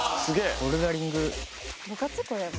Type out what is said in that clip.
ボルダリング。